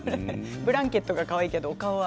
ブランケットがかわいいけど。